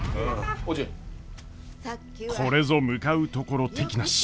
これぞ向かうところ敵なし！